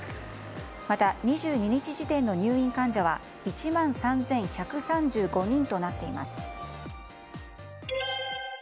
また、２２日時点の入院患者は１万３１３５人となっています。